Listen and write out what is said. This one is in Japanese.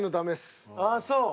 ああそう。